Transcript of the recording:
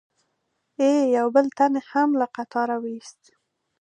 یې یو بل تن هم له قطاره و ایست.